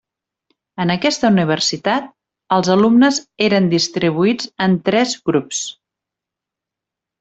En aquesta universitat, els alumnes eren distribuïts en tres grups.